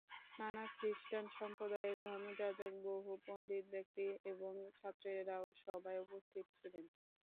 নানা খ্রীষ্টান সম্প্রদায়ের ধর্মযাজক, বহু পণ্ডিত ব্যক্তি এবং ছাত্রেরাও সভায় উপস্থিত ছিলেন।